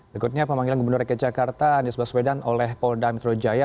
berikutnya pemanggilan gubernur rakyat jakarta anies baswedan oleh polda mitrojaya